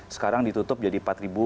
sekarang ditutup jadi empat lima